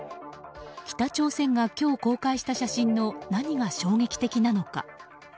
北朝鮮が今日公開した写真の何が衝撃的なのか。